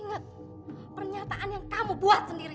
ingat pernyataan yang kamu buat sendiri